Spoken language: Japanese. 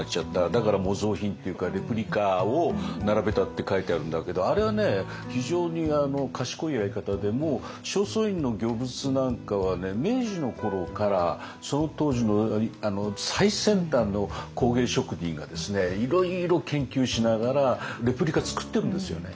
だから模造品っていうかレプリカを並べたって書いてあるんだけどあれは非常に賢いやり方でもう正倉院の御物なんかは明治の頃からその当時の最先端の工芸職人がいろいろ研究しながらレプリカ作ってるんですよね。